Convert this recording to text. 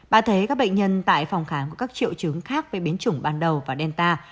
bà thế các bệnh nhân tại phòng khám của các triệu chứng khác với biến chủng ban đầu và delta